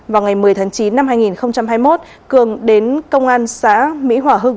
vào ngày một mươi tháng chín năm hai nghìn hai mươi một cường đến công an xã mỹ hòa hưng